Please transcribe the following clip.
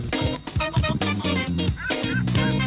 สวัสดีครับ